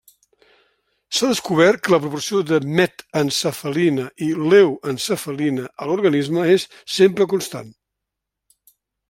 S'ha descobert que la proporció de met-encefalina i de leu-encefalina a l'organisme és sempre constant.